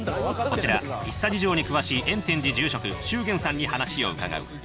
こちら、一茶事情に詳しい炎天寺住職、秀彦さんに話を伺う。